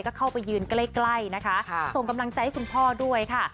ก็เข้าไปยืนใกล้นะคะส่งกำลังใจให้คุณพ่อด้วยค่ะ